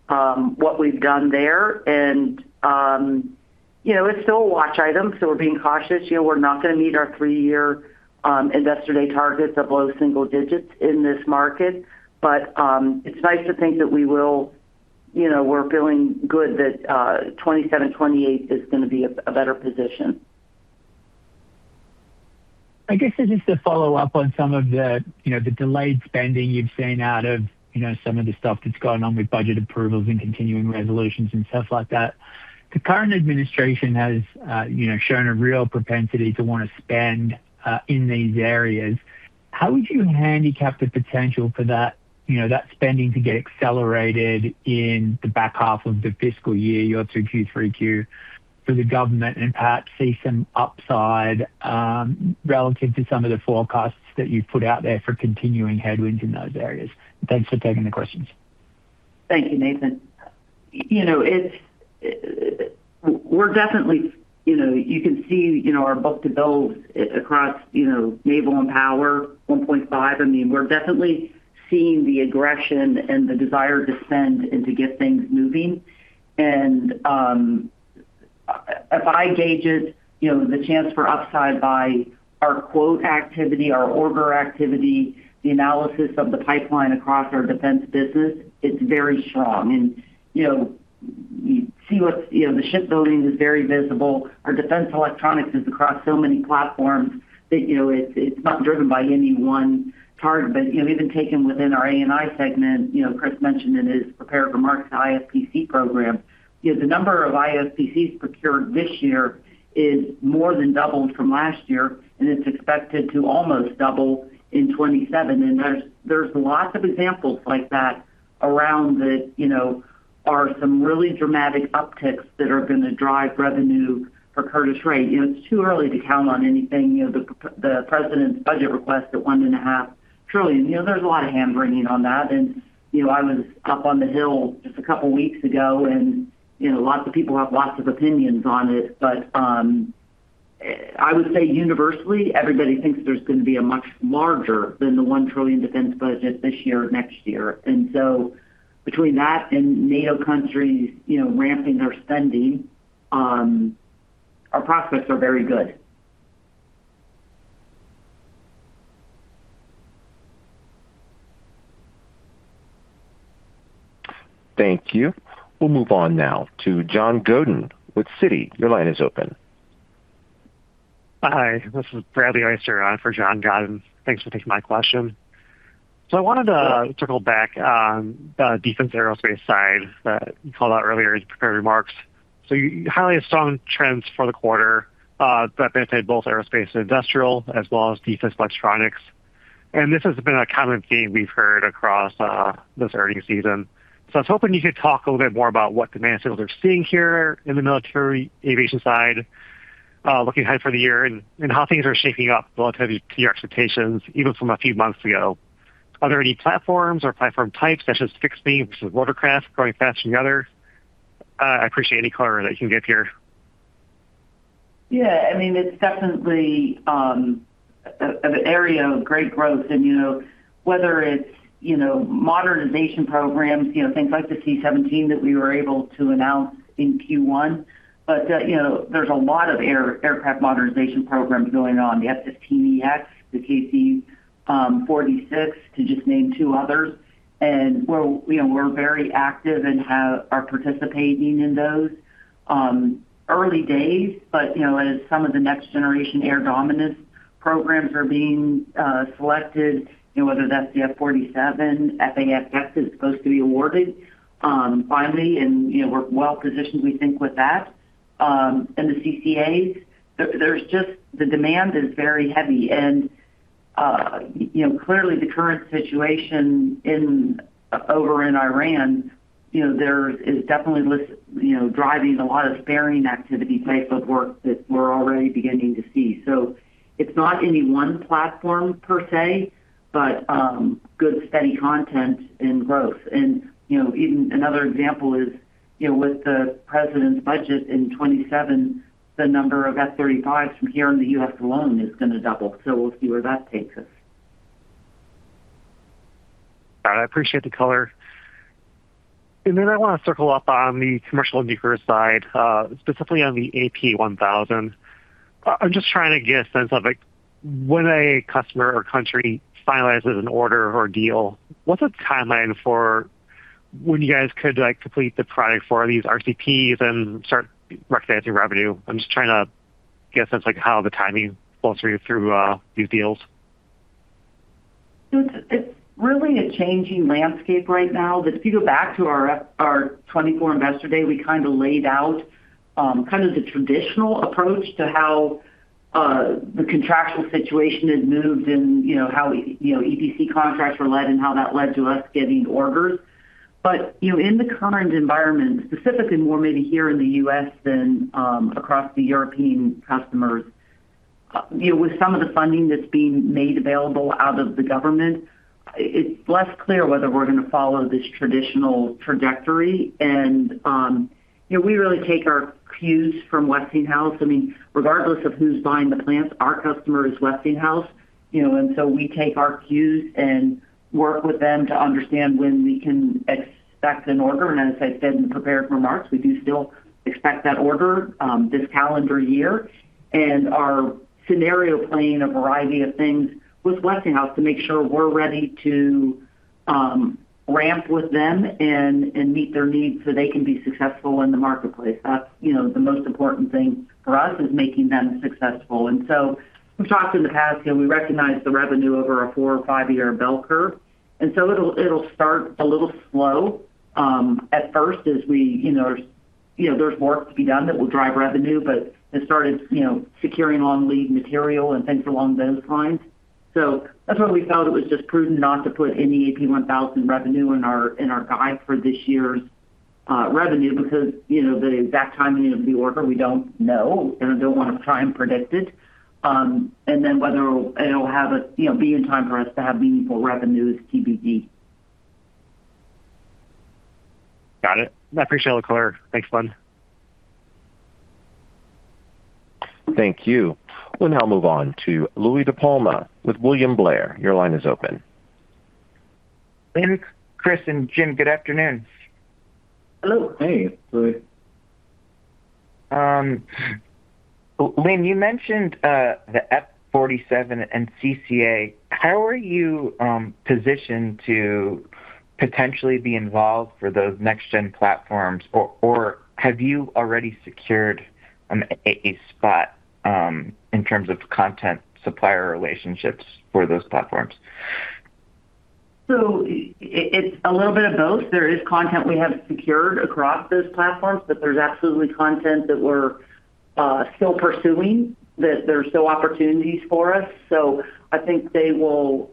what we've done there. You know, it's still a watch item, so we're being cautious. You know, we're not gonna meet our three-year Investor Day targets of low single digits in this market. It's nice to think that we will. You know, we're feeling good that 2027, 2028 is gonna be a better position. I guess just to follow up on some of the, you know, the delayed spending you've seen out of, you know, some of the stuff that's gone on with budget approvals and continuing resolutions and stuff like that. The current administration has, you know, shown a real propensity to want to spend in these areas. How would you handicap the potential for that, you know, that spending to get accelerated in the back half of the fiscal year, your 2Q, 3Q for the government and perhaps see some upside, relative to some of the forecasts that you've put out there for continuing headwinds in those areas? Thanks for taking the questions. Thank you, Nathan. You know, we're definitely, you know, you can see, you know, our book-to-bill across, you know, Naval & Power 1.5x. I mean, we're definitely seeing the aggression and the desire to spend and to get things moving. If I gauge it, you know, the chance for upside by our quote activity, our order activity, the analysis of the pipeline across our defense business, it's very strong. You know, you see, you know, the shipbuilding is very visible. Our Defense Electronics is across so many platforms that, you know, it's not driven by any one target. You know, even taken within our A&I segment, you know, Chris mentioned in his prepared remarks, the IFPC program. You know, the number of IFPCs procured this year is more than doubled from last year, and it's expected to almost double in 2027. There's lots of examples like that around that, you know, are some really dramatic upticks that are going to drive revenue for Curtiss-Wright. You know, it's too early to count on anything. You know, the president's budget request at $1.5 trillion. You know, there's a lot of hand-wringing on that. You know, I was up on the Hill just a couple weeks ago, and, you know, lots of people have lots of opinions on it. I would say universally, everybody thinks there's going to be a much larger than the $1 trillion defense budget this year or next year. Between that and NATO countries, you know, ramping their spending, our prospects are very good. Thank you. We'll move on now to John Godyn with Citi. Your line is open. Hi, this is on for John Godyn. Thanks for taking my question. I wanted to circle back on the defense aerospace side that you called out earlier in your prepared remarks. You highlight strong trends for the quarter that benefit both Aerospace and Industrial as well as Defense Electronics. This has been a common theme we've heard across this earnings season. I was hoping you could talk a little bit more about what demand signals you're seeing here in the military aviation side looking ahead for the year and how things are shaping up relative to your expectations even from a few months ago. Are there any platforms or platform types such as fixed wing versus rotorcraft growing faster than the other? I appreciate any color that you can give here. Yeah. I mean, it's definitely a area of great growth. You know, whether it's, you know, modernization programs, you know, things like the C-17 that we were able to announce in Q1. You know, there's a lot of aircraft modernization programs going on, the F-15EX, the KC-46, to just name two others. We're, you know, we're very active and are participating in those. Early days, you know, as some of the next generation air dominance programs are being selected, you know, whether that's the F-47, F/A-XX is supposed to be awarded finally. You know, we're well positioned, we think, with that. The CCAs. The demand is very heavy. You know, clearly the current situation over in Iran, you know, there is definitely, you know, driving a lot of sparing activity type of work that we're already beginning to see. It's not any one platform per se, but good steady content and growth. You know, even another example is, you know, with the president's budget in 2027, the number of F-35s from here in the U.S. alone is going to double. We'll see where that takes us. All right. I appreciate the color. Then I want to circle up on the commercial end-user side, specifically on the AP1000. I'm just trying to get a sense of, like, when a customer or country finalizes an order or deal, what's the timeline for when you guys could, like, complete the product for these RCPs and start recognizing revenue? I'm just trying to get a sense, like, how the timing flows for you through these deals. It's really a changing landscape right now. If you go back to our 2024 Investor Day, we kind of laid out, kind of the traditional approach to how the contractual situation had moved and, you know, how, you know, EPC contracts were led and how that led to us getting orders. In the current environment, you know, specifically more maybe here in the U.S. than across the European customers, you know, with some of the funding that's being made available out of the government, it's less clear whether we're going to follow this traditional trajectory. You know, we really take our cues from Westinghouse. I mean, regardless of who's buying the plants, our customer is Westinghouse, you know. We take our cues and work with them to understand when we can expect an order. As I said in the prepared remarks, we do still expect that order this calendar year. We are scenario planning a variety of things with Westinghouse to make sure we're ready to ramp with them and meet their needs so they can be successful in the marketplace. That's, you know, the most important thing for us is making them successful. We've talked in the past, you know, we recognize the revenue over a four or five-year bell curve. It'll start a little slow at first as we, you know, there's, you know, there's work to be done that will drive revenue. They started, you know, securing on lead material and things along those lines. So that's why we felt it was just prudent not to put any AP1000 revenue in our, in our guide for this year's revenue because, you know, the exact timing of the order, we don't know, and I don't wanna try and predict it. Whether it'll have a, you know, be in time for us to have meaningful revenue is TBD. Got it. I appreciate the clarity. Thanks, Bam. Thank you. We'll now move on to Louie DiPalma with William Blair. Your line is open. Lynn, Chris, and Jim, good afternoon. Hello. Hey, Louie. Lynn, you mentioned the F-47 and CCA. How are you positioned to potentially be involved for those next-gen platforms or have you already secured a spot in terms of content supplier relationships for those platforms? It's a little bit of both. There is content we have secured across those platforms, but there's absolutely content that we're still pursuing, that there's still opportunities for us. I think they will,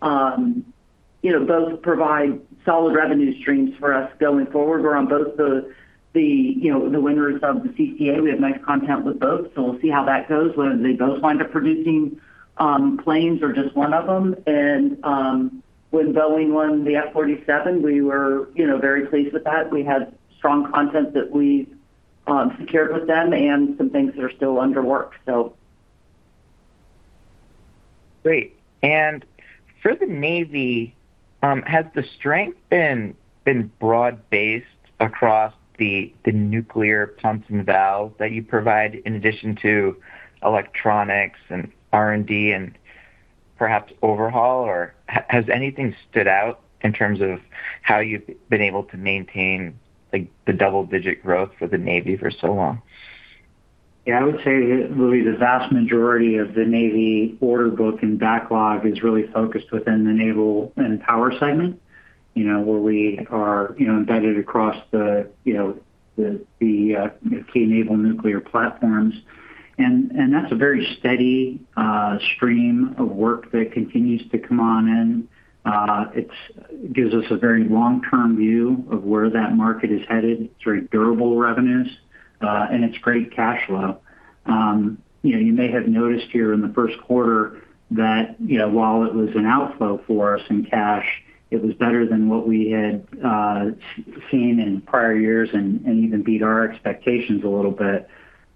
you know, both provide solid revenue streams for us going forward. We're on both the, you know, the winners of the CCA. We have nice content with both, so we'll see how that goes, whether they both wind up producing planes or just one of them. When Boeing won the F-47, we were, you know, very pleased with that. We had strong content that we secured with them and some things that are still under work. Great. For the Navy, has the strength been broad-based across the nuclear pumps and valves that you provide in addition to electronics and R&D and perhaps overhaul? Has anything stood out in terms of how you've been able to maintain, like, the double-digit growth for the Navy for so long? Yeah. I would say, Louie, the vast majority of the Navy order book and backlog is really focused within the Naval & Power segment, you know, where we are, you know, embedded across the, you know, the key naval nuclear platforms. And that's a very steady stream of work that continues to come on in. It gives us a very long-term view of where that market is headed. It's very durable revenues, and it's great cash flow. You know, you may have noticed here in the first quarter that, you know, while it was an outflow for us in cash, it was better than what we had seen in prior years and even beat our expectations a little bit.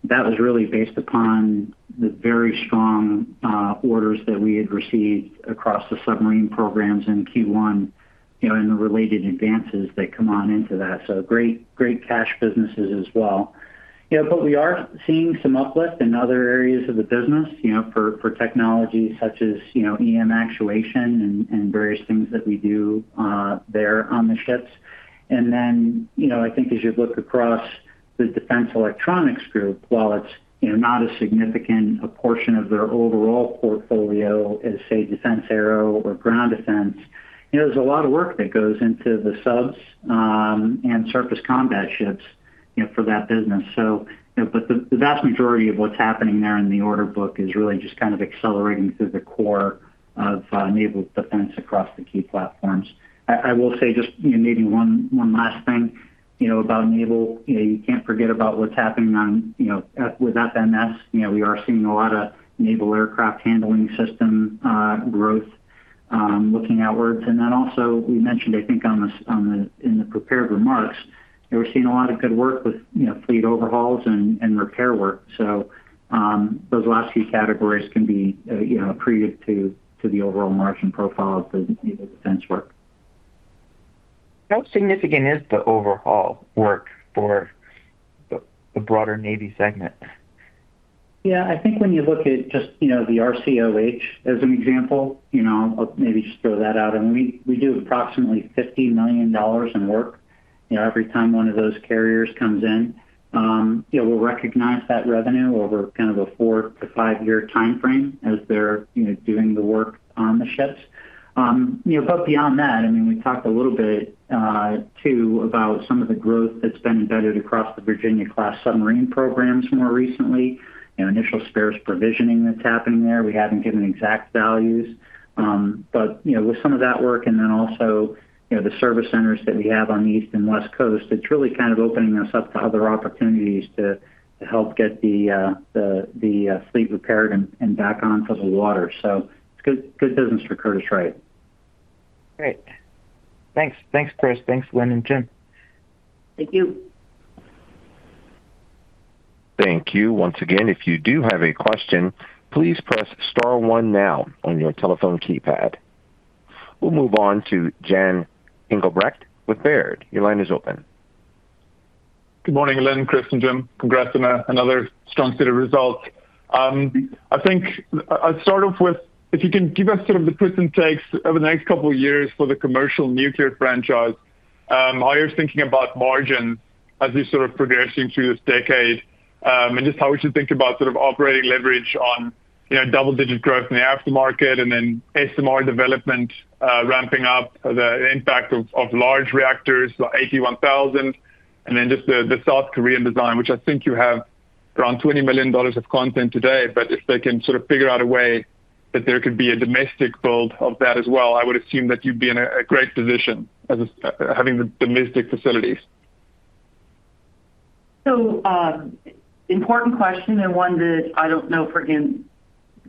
That was really based upon the very strong orders that we had received across the submarine programs in Q1, you know, and the related advances that come on into that. Great, great cash businesses as well. We are seeing some uplift in other areas of the business, you know, for technology such as, you know, EM actuation and various things that we do there on the ships. I think as you look across the Defense Electronics Group, while it's, you know, not as significant a portion of their overall portfolio as, say, defense aero or ground defense, you know, there's a lot of work that goes into the subs and surface combat ships, you know, for that business. You know, but the vast majority of what's happening there in the order book is really just kind of accelerating through the core of naval defense across the key platforms. I will say just, you know, maybe one last thing, you know, about naval. You know, you can't forget about what's happening on, you know, with FMS. You know, we are seeing a lot of naval aircraft handling system growth looking outwards. Also, we mentioned, I think on the in the prepared remarks, you know, we're seeing a lot of good work with, you know, fleet overhauls and repair work. Those last few categories can be, you know, accretive to the overall margin profile of the naval defense work. How significant is the overhaul work for the broader Navy segment? I think when you look at just, you know, the RCOH as an example, you know, I'll maybe just throw that out. I mean, we do approximately $50 million in work, you know, every time one of those carriers comes in. You know, we'll recognize that revenue over kind of a four to five-year timeframe as they're, you know, doing the work on the ships. You know, beyond that, I mean, we talked a little bit too about some of the growth that's been embedded across the Virginia-class submarine programs more recently, you know, initial spares provisioning that's happening there. We haven't given exact values. You know, with some of that work and then also, you know, the service centers that we have on the East and West Coast, it's really kind of opening us up to other opportunities to help get the fleet repaired and back onto the water. It's good business for Curtiss-Wright. Great. Thanks. Thanks, Chris. Thanks, Lynn and Jim. Thank you. Thank you. Once again, if you do have a question, please press star one now on your telephone keypad. We'll move on to Jan Engelbrecht with Baird. Your line is open. Good morning, Lynn, Chris, and Jim. Congrats on another strong set of results. I think I'll start off with if you can give us sort of the present takes over the next couple years for the commercial nuclear franchise, how you're thinking about margin as you're sort of progressing through this decade, and just how we should think about sort of operating leverage on, you know, double-digit growth in the aftermarket and then SMR development ramping up, the impact of large reactors, the AP1000, and then just the South Korean design, which I think you have around $20 million of content today, but if they can sort of figure out a way that there could be a domestic build of that as well, I would assume that you'd be in a great position as having the domestic facilities. Important question and one that I don't know if we're being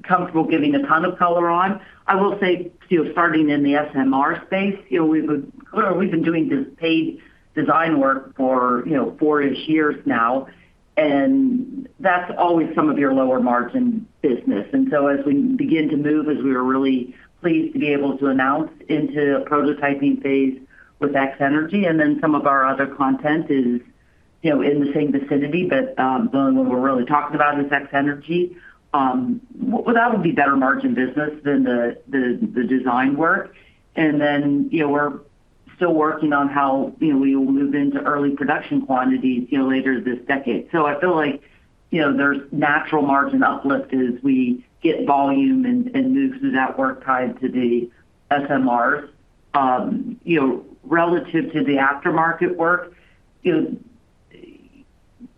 comfortable giving a ton of color on. I will say, you know, starting in the SMR space, you know, clearly we've been doing this paid design work for, you know, four-ish years now, and that's always some of your lower margin business. As we begin to move, as we are really pleased to be able to announce into a prototyping phase with X-energy and then some of our other content is, you know, in the same vicinity. The one we're really talking about is X-energy. Well, that would be better margin business than the design work. You know, we're still working on how, you know, we will move into early production quantities, you know, later this decade. I feel like, you know, there's natural margin uplift as we get volume and move through that work tied to the SMRs. You know, relative to the aftermarket work, you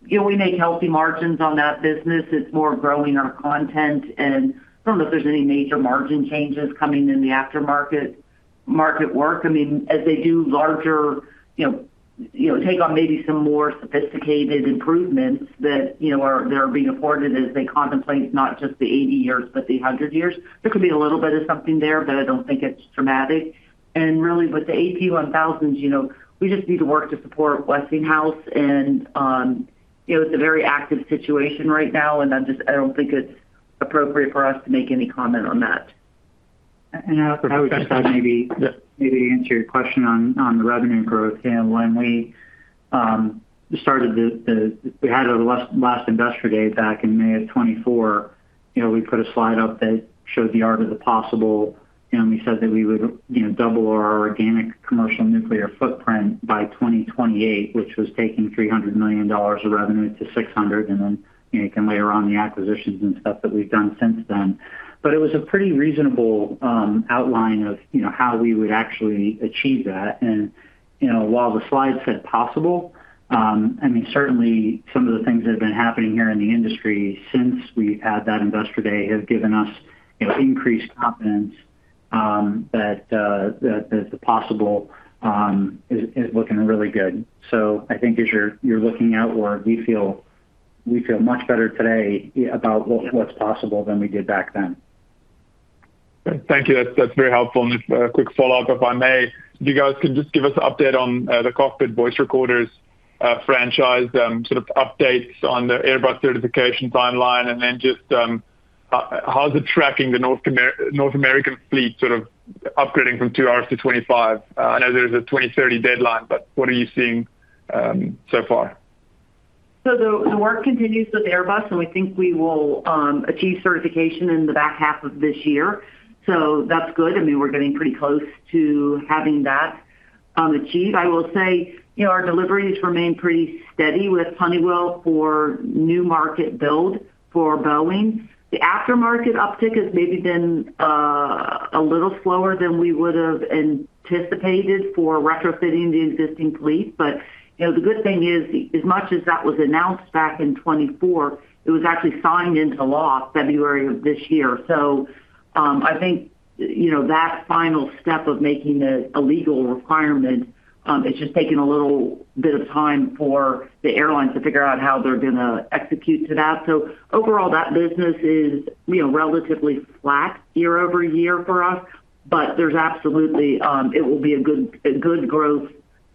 know, we make healthy margins on that business. It's more growing our content, and I don't know if there's any major margin changes coming in the aftermarket market work. I mean, as they do larger, you know, take on maybe some more sophisticated improvements that, you know, they're being afforded as they contemplate not just the 80 years, but the 100 years. There could be a little bit of something there, but I don't think it's dramatic. With the AP1000s, you know, we just need to work to support Westinghouse, you know, it's a very active situation right now. I don't think it's appropriate for us to make any comment on that. And I would just maybe- Yeah maybe answer your question on the revenue growth. You know, when we started, we had our last Investor Day back in May of 2024. You know, we put a slide up that showed the art of the possible, and we said that we would, you know, double our organic commercial nuclear footprint by 2028, which was taking $300 million of revenue to $600 million. Then, you know, you can layer on the acquisitions and stuff that we've done since then. It was a pretty reasonable outline of, you know, how we would actually achieve that. You know, while the slide said possible, I mean, certainly some of the things that have been happening here in the industry since we've had that Investor Day have given us, you know, increased confidence that the possible is looking really good. I think as you're looking outward, we feel much better today about what's possible than we did back then. Great. Thank you. That's very helpful. Just a quick follow-up, if I may. If you guys could just give us an update on the cockpit voice recorders franchise, sort of updates on the Airbus certification timeline and then just how's it tracking the North American fleet sort of upgrading from two hours to 25? I know there's a 2030 deadline, what are you seeing so far? The work continues with Airbus, and we think we will achieve certification in the back half of this year. That's good. I mean, we're getting pretty close to having that achieved. I will say, you know, our deliveries remain pretty steady with Honeywell for new market build for Boeing. The aftermarket uptick has maybe been a little slower than we would've anticipated for retrofitting the existing fleet. You know, the good thing is, as much as that was announced back in 2024, it was actually signed into law February of this year. I think, you know, that final step of making the a legal requirement, it's just taken a little bit of time for the airlines to figure out how they're gonna execute to that. Overall, that business is, you know, relatively flat year-over-year for us. There's absolutely, it will be a good growth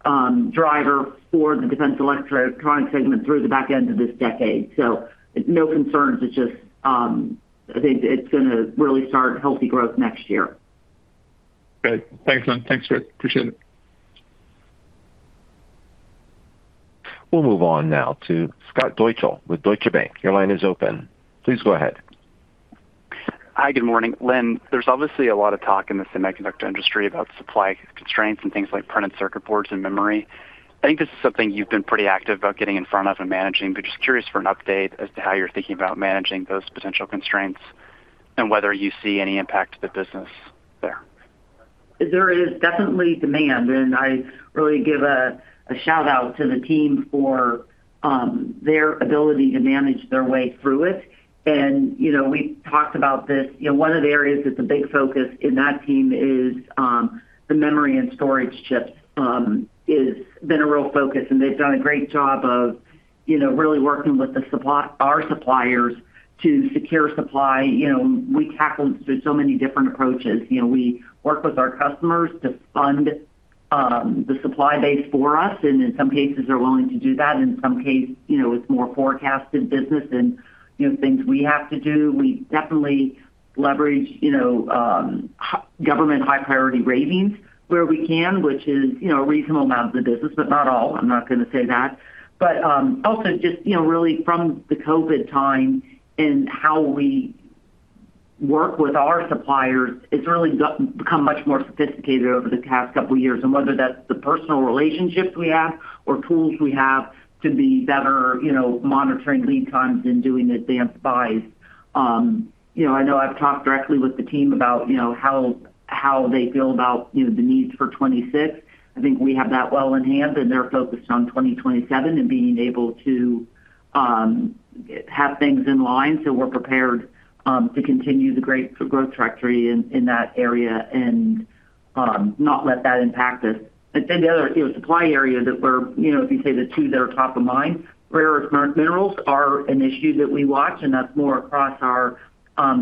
driver for the Defense Electronics segment through the back end of this decade. No concerns. It's just, I think it's gonna really start healthy growth next year. Great. Thanks, Lynn. Thanks, Chris. Appreciate it. We'll move on now to Scott Deuschle with Deutsche Bank. Your line is open. Please go ahead. Hi, good morning. Lynn, there's obviously a lot of talk in the semiconductor industry about supply constraints and things like printed circuit boards and memory. I think this is something you've been pretty active about getting in front of and managing, but just curious for an update as to how you're thinking about managing those potential constraints and whether you see any impact to the business there. There is definitely demand. I really give a shout-out to the team for their ability to manage their way through it. You know, we've talked about this. You know, one of the areas that's a big focus in that team is the memory and storage chips has been a real focus, and they've done a great job of, you know, really working with our suppliers to secure supply. You know, we tackle through so many different approaches. You know, we work with our customers to fund the supply base for us, and in some cases they're willing to do that. In some case, you know, it's more forecasted business and, you know, things we have to do. We definitely leverage, you know, government high priority ratings where we can, which is, you know, a reasonable amount of the business, but not all. I am not gonna say that. Also just, you know, really from the COVID time and how we work with our suppliers, it has really become much more sophisticated over the past couple years, and whether that is the personal relationships we have or tools we have to be better, you know, monitoring lead times and doing advanced buys. You know, I know I have talked directly with the team about, you know, how they feel about, you know, the needs for 2026. I think we have that well in hand. They're focused on 2027 and being able to have things in line so we're prepared to continue the great growth trajectory in that area and not let that impact us. The other, you know, supply area that we're, if you say the two that are top of mind, rare earth minerals are an issue that we watch. That's more across our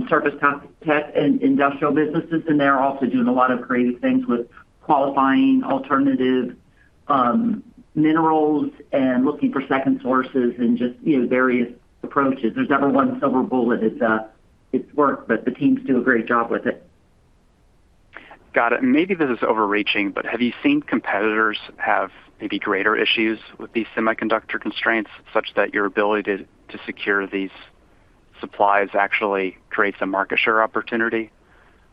surface technology and industrial businesses. They're also doing a lot of creative things with qualifying alternative minerals and looking for second sources and just, you know, various approaches. There's never one silver bullet. It's work, but the teams do a great job with it. Got it. Maybe this is overreaching, but have you seen competitors have maybe greater issues with these semiconductor constraints such that your ability to secure these supplies actually creates a market share opportunity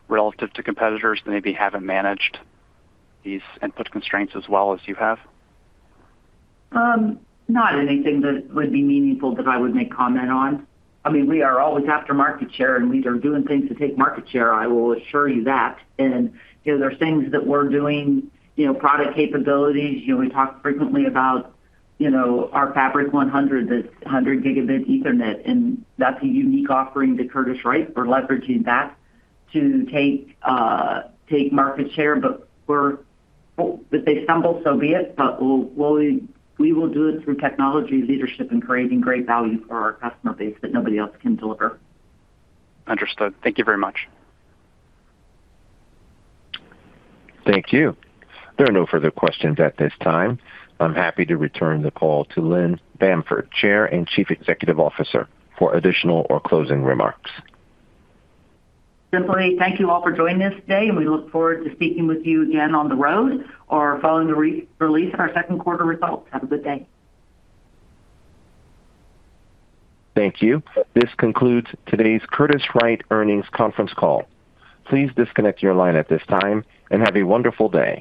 relative to competitors that maybe haven't managed these input constraints as well as you have? Not anything that would be meaningful that I would make comment on. I mean, we are always after market share, and we are doing things to take market share, I will assure you that. You know, there are things that we're doing, you know, product capabilities. You know, we talk frequently about, you know, our Fabric 100, that's 100 gigabit Ethernet, and that's a unique offering to Curtiss-Wright. We're leveraging that to take market share. If they stumble, so be it, but we will do it through technology leadership and creating great value for our customer base that nobody else can deliver. Understood. Thank you very much. Thank you. There are no further questions at this time. I'm happy to return the call to Lynn Bamford, Chair and Chief Executive Officer, for additional or closing remarks. Simply thank you all for joining us today. We look forward to speaking with you again on the road or following the re-release of our second quarter results. Have a good day. Thank you. This concludes today's Curtiss-Wright Earnings Conference Call. Please disconnect your line at this time, and have a wonderful day.